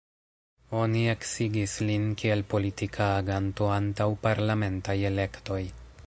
Oni eksigis lin kiel politika aganto antaŭ parlamentaj elektoj.